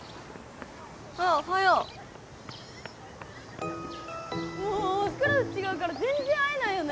ああおはようもうクラス違うから全然会えないよね